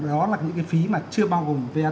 đó là những cái phí mà chưa bao gồm va